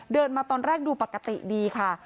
มาตอนแรกดูปกติดีค่ะ